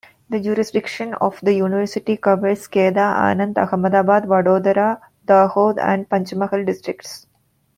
The jurisdiction of the university covers Kheda, Anand, Ahmedabad, Vadodara, Dahod and Panchmahal districts.